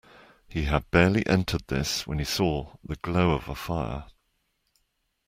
He had barely entered this when he saw the glow of a fire.